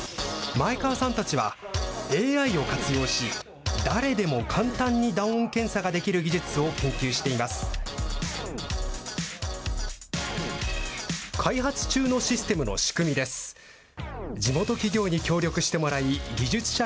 前川さんたちは、ＡＩを活用し、誰でも簡単に打音検査ができる技術を研究しています。